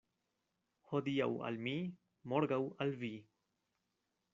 Hodiaŭ al mi, morgaŭ al vi.